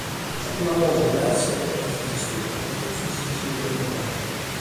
Sa prima cosa chi naschet est sa stòria e a pustis sa scenegiadura.